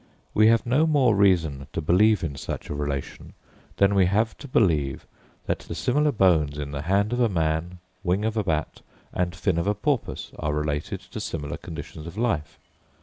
We have no more reason to believe in such a relation than we have to believe that the similar bones in the hand of a man, wing of a bat, and fin of a porpoise, are related to similar conditions of life.